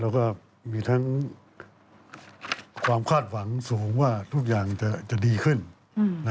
แล้วก็มีทั้งความคาดหวังสูงว่าทุกอย่างจะดีขึ้น